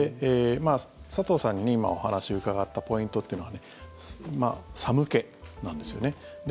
佐藤さんに今、お話を伺ったポイントというのは寒気なんですよね。